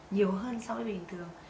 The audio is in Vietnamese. nhiều hơn so với bình thường